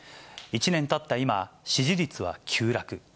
１年たった今、支持率は急落。